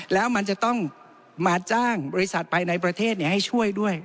แล้วมันจะต้องมาจ้างบริษัทไปในประเทศให้ช่วยด้วย